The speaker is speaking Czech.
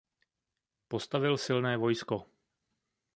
Postavil silné vojsko.